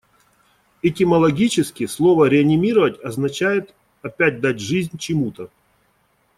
Этимологически слово "реанимировать" означает опять дать жизнь чему-то.